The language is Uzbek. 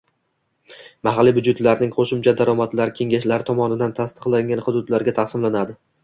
Mahalliy byudjetlarning qo'shimcha daromadlari kengashlar tomonidan tasdiqlangan hududlarga taqsimlanadi